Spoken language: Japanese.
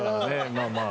まあまあ。